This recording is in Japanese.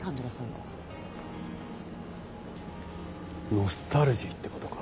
ノスタルジーって事か。